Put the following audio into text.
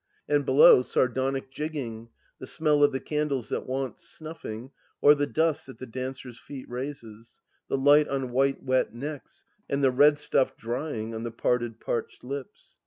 ... And below, sardonic jigging, the smell of the candles that want snufiing, or the dust that the dancers' feet raises, the light on white wet necks, and the red stuff drying on the parted, parched lips.